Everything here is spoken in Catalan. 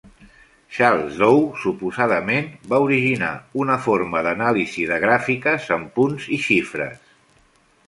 Charles Dow, suposadament, va originar una forma d'anàlisi de gràfiques amb punts i xifres.